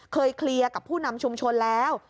เคลียร์กับผู้นำชุมชนแล้ว